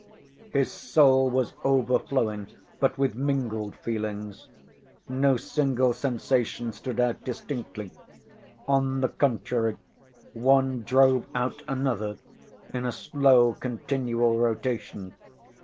His soul was overflowing but with mingled feelings; no single sensation stood out distinctly; on the contrary, one drove out another in a slow, continual rotation.